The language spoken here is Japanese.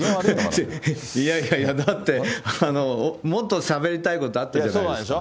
いやいや、だって、もっとしゃべりたいことあったじゃないでそうなんでしょ。